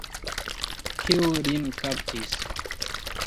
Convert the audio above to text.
Kiu lin kaptis?